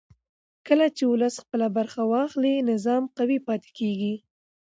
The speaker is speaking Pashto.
کله چې ولس خپله برخه واخلي نظام قوي پاتې کېږي